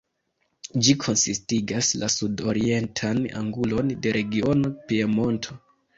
Ĝi konsistigas la sud-orientan angulon de regiono Piemonto.